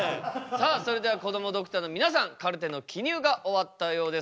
さあそれではこどもドクターの皆さんカルテの記入が終わったようです。